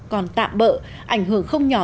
còn tạm bỡ ảnh hưởng không nhỏ